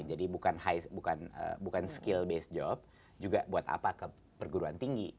jadi bukan skill based job juga buat apa ke perguruan tinggi